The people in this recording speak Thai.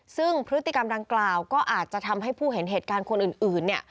ซึ่งพฤติกรรมดังกล่าวก็อาจจะทำให้ผู้เห็นเหตุการณ์คนอื่น